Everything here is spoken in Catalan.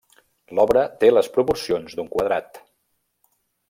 L'obra té les proporcions d'un quadrat.